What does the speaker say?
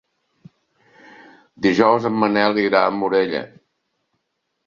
Dijous en Manel irà a Morella.